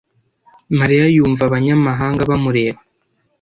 Mariya yumva abanyamahanga bamureba.